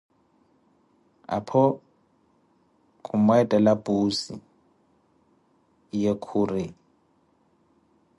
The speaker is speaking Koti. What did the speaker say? Aphano khumweettela Puuzi, ye khuri.